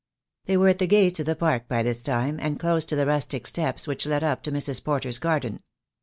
They were at the gates of the Park by this time, and close to the rustic steps which led up to Mrs. Porter's garden.